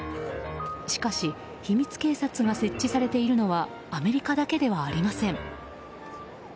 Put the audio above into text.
しかし秘密警察が設置されているのはアメリカだけではありません。